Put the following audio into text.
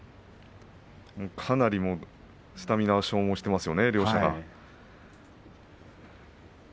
かなりスタミナを消耗していますよね、両者が。